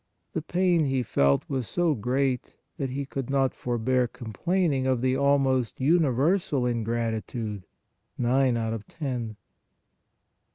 The pain He felt was so great that He could not forbear com plaining of the almost universal ingratitude, nine out of ten